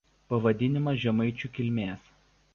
Pavadinimas žemaičių kilmės.